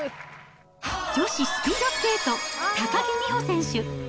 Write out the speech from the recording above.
女子スピードスケート、高木美帆選手。